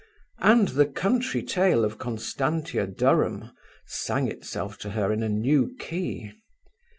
And the country tale of Constantia Durham sang itself to her in a new key.